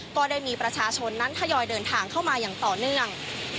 ก็ได้มีประชาชนนั้นทยอยเดินทางเข้ามาอย่างต่อเนื่อง